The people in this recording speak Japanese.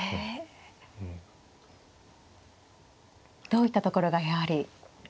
どういったところがやはり。